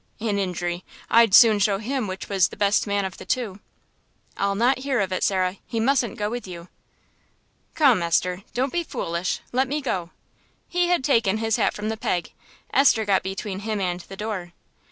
"An injury! I'd soon show him which was the best man of the two." "I'll not hear of it, Sarah. He mustn't go with you." "Come, Esther, don't be foolish. Let me go." He had taken his hat from the peg. Esther got between him and the door.